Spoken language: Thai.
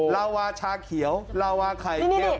ลาวาชาเขียวลาวาไข่เค็ม